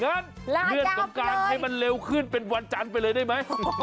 รายยาวคือเลยมาให้มันเร็วขึ้นไปวันจารย์ไปเลยได้ไหม